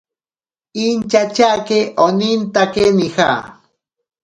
Inchatyake onintake nija.